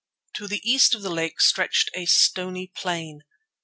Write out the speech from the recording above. To the east of the lake stretched a stony plain.